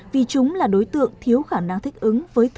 vì chúng là đối tượng thiếu khả năng thích ứng với trẻ em